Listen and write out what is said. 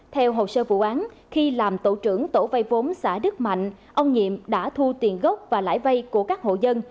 theo hồ sơ vụ án khi làm tổ trưởng tổ vay vốn xã đức mạnh ông nhiệm đã thu tiền gốc và lãi vay của các hộ dân